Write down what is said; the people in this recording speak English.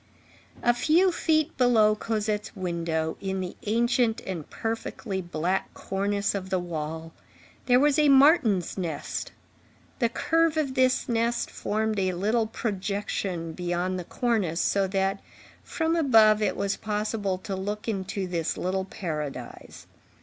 A few feet below Cosette's window, in the ancient and perfectly black cornice of the wall, there was a martin's nest; the curve of this nest formed a little projection beyond the cornice, so that from above it was possible to look into this little paradise.